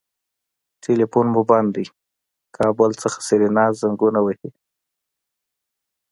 ټليفون مو بند دی کابل نه سېرېنا زنګونه وهي.